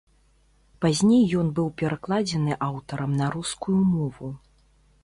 Пазней ён быў перакладзены аўтарам на рускую мову.